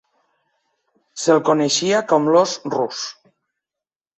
Se'l coneixia com l'"os rus".